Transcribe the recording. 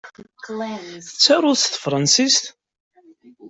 Tettaruḍ s tefṛansist?